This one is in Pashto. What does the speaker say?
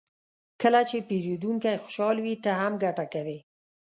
کله چې پیرودونکی خوشحال وي، ته هم ګټه کوې.